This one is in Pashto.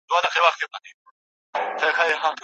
نسته له ابۍ سره شرنګی په الاهو کي